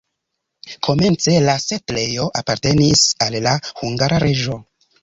Komence la setlejo apartenis al la hungara reĝo.